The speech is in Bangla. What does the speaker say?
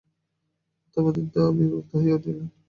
প্রতাপাদিত্য বিরক্ত হইয়া উঠিলেন।